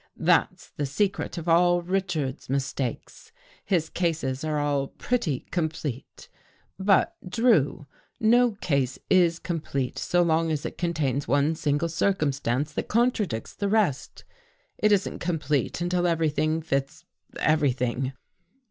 " That's the secret of all Richards's mistakes. His cases are all ' pretty complete.' But, Drew, no case is complete so long as it contains one single circum stance that contradicts the rest. It isn't complete until everything fits — everything."